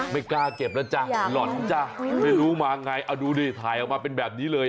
ไม่กล้าเก็บแล้วจ้ะหล่อนจ้ะไม่รู้มาไงเอาดูดิถ่ายออกมาเป็นแบบนี้เลย